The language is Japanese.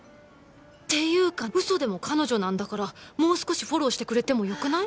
っていうか嘘でも彼女なんだからもう少しフォローしてくれてもよくない！？